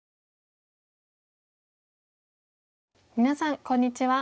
皆さんこんにちは。